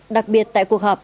đặc biệt tại cuộc họp